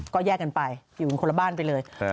ก็แยกกันไปอยู่กันคนละบ้านไปเลย